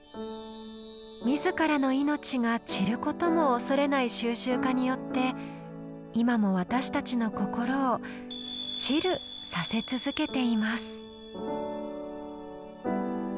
自らの命が散ることも恐れない収集家によって今も私たちの心を「チル」させ続けています。